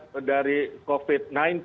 dari covid sembilan belas